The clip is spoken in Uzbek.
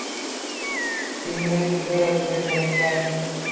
Tengrang uzra oʼzga jaranglar